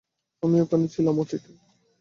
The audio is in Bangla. আমি ওখানে ছিলাম, অতীতে!